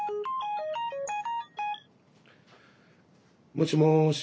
もしもし。